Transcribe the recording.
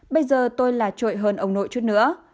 bây giờ tôi là trội hơn ông nội trước nữa